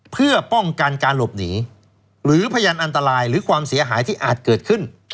เพื่อป้องกันการหลบหนีหรือพยานอันตรายหรือความเสียหายที่อาจเกิดขึ้น